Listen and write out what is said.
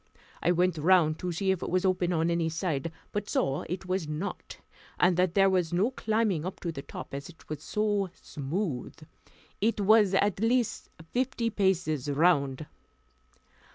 I went round to see if it was open on any side, but saw it was not, and that there was no climbing up to the top, as it was so smooth. It was at least fifty paces round.